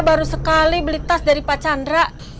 baru sekali beli tas dari pak chandra